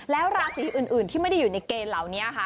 แล้วราศีอื่นที่ไม่ได้อยู่ในเกณฑ์เหล่านี้ค่ะ